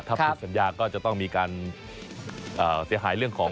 ถ้าผิดสัญญาก็จะต้องมีการเสียหายเรื่องของ